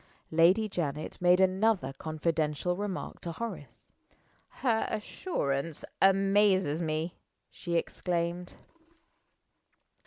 Lady Janet made another confidential remark to Horace. "Her assurance amazes me!" she exclaimed.